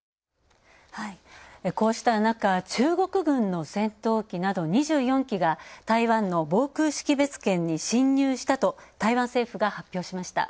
こうした中、中国軍の戦闘機など２４機が台湾の防空識別圏に進入したと台湾政府が発表しました。